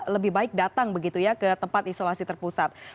lebih baik datang begitu ya ke tempat isolasi terpusat